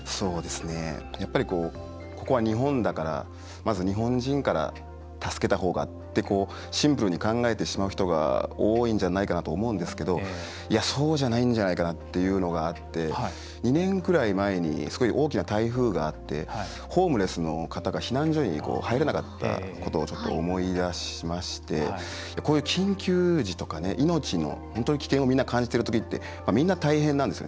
やっぱりここは日本だからまず日本人から助けたほうがってシンプルに考えてしまう人が多いんじゃないかなと思うんですけどそうじゃないんじゃないかなっていうのがあって２年ぐらい前にすごい大きな台風があってホームレスの方が避難所に入れなかったことを思い出しましてこういう緊急時とか命の危険を感じてるときってみんな大変なんですよ。